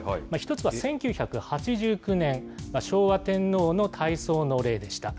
１つは１９８９年、昭和天皇の大喪の礼でした。